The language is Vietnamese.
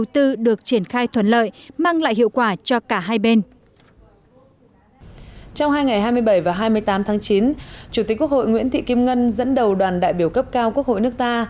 trong hai ngày hai mươi bảy và hai mươi tám tháng chín chủ tịch quốc hội nguyễn thị kim ngân dẫn đầu đoàn đại biểu cấp cao quốc hội nước ta